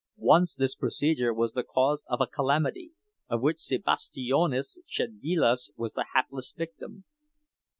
Once this procedure was the cause of a calamity of which Sebastijonas Szedvilas was the hapless victim.